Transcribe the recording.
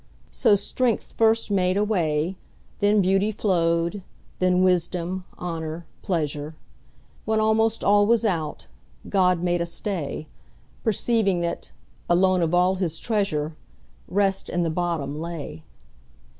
So strength first made a way, Then beauty flow'd, then wisdom, honour, pleasure; When almost all was out, God made a stay, Perceiving that, alone of all His treasure, Rest in the bottom lay.